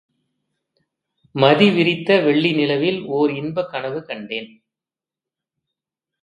மதி விரித்த வெள்ளி நிலவில் ஓர் இன்பக் கனவு கண்டேன்.